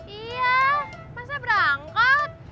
iya masa berangkat